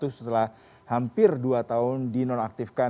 setelah hampir dua tahun dinonaktifkan